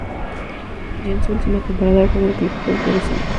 Ya en su última temporada con el club volvió a descender.